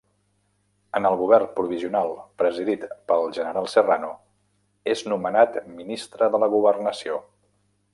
En el govern provisional presidit pel general Serrano, és nomenat ministre de la Governació.